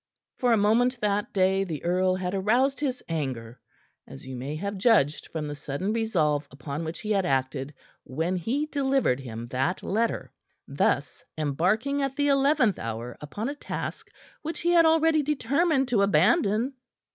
For a moment that day the earl had aroused his anger, as you may have judged from the sudden resolve upon which he had acted when he delivered him that letter, thus embarking at the eleventh hour upon a task which he had already determined to abandon.